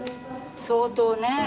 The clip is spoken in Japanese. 相当ね。